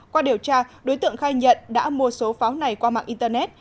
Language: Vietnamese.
qua điều tra đối tượng khai nhận đã mua số pháo này qua mạng internet